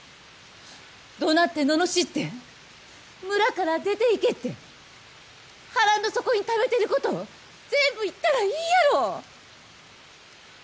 怒鳴ってののしって村から出ていけって腹の底にためてることを全部言ったらいいやろ！